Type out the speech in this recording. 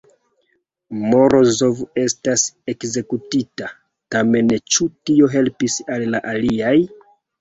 Morozov estas ekzekutita, tamen ĉu tio helpis al la aliaj?